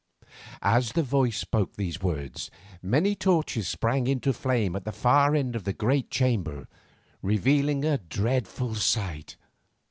As the voice spoke these words, many torches sprang into flame at the far end of the great chamber, revealing a dreadful sight.